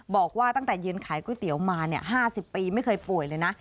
บอกว่าตั้งแต่ยืนขายก๋วยเตี๋ยวมา๕๐ปีไม่เคยป่วยเลยนะ